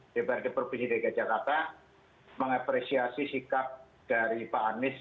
dprd provinsi dki jakarta mengapresiasi sikap dari pak anies